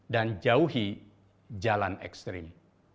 dan jauhi jalan ekstrim